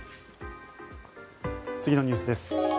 次のニュースです。